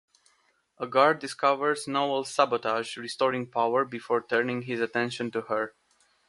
A guard discovers Noel's sabotage, restoring power before turning his attention to her.